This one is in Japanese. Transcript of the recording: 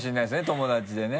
友達でね。